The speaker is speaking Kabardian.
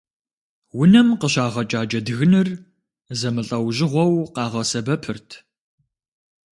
Унэм къыщагъэкӏа джэдгыныр зэмылӏэужьыгъуэу къагъэсэбэпырт.